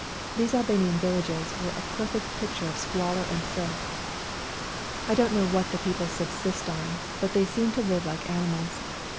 These Albanian vil lages were a perfect picture of squalor and filth. I don't know what the people GOOD BYE TO SERBIA 121 subsist on, but they seem to live like ani mals.